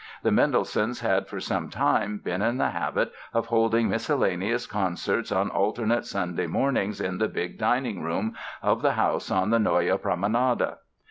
The Mendelssohns had for some time been in the habit of holding miscellaneous concerts on alternate Sunday mornings in the big dining room of the house on the Neue Promenade.